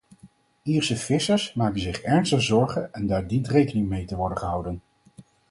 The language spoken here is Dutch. Ierse vissers maken zich ernstige zorgen en daar dient rekening mee te worden gehouden.